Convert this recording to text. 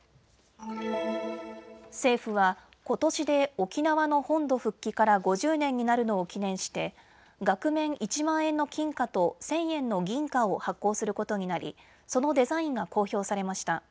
政府はことしで沖縄の本土復帰から５０年になるのを記念して額面１万円の金貨と１０００円の銀貨を発行することになりそのデザインが公表されました。